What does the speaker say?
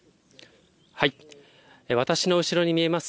私の後ろに見えます